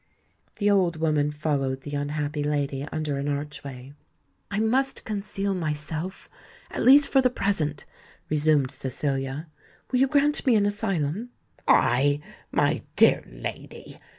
The old woman followed the unhappy lady under an archway. "I must conceal myself—at least for the present," resumed Cecilia. "Will you grant me an asylum?" "I! my dear lady!"